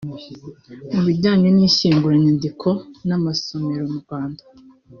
mu bijyanye n’ishyinguranyandiko n’amasomero mu Rwanda